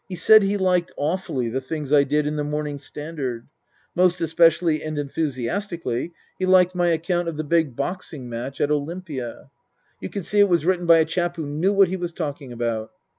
He said he liked awfully the things I did in the Morning Standard. Most especially and enthusiastically he liked my account of the big boxing match at Olympia. You could see it was written by a chap who knew what he was talking about.